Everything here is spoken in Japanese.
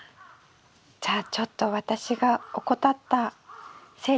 じゃあちょっと私が怠ったせいですね。